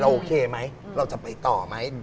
โอเคไหมเราจะไปต่อไหม